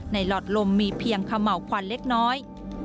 หลอดลมมีเพียงเขม่าวควันเล็กน้อย